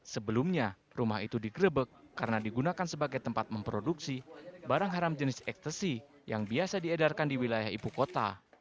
sebelumnya rumah itu digrebek karena digunakan sebagai tempat memproduksi barang haram jenis ekstasi yang biasa diedarkan di wilayah ibu kota